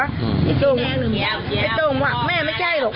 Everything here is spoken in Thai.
ไอ้ต้มว่าแม่ไม่ใช่หรอก